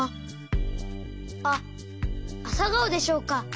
あっあさがおでしょうか。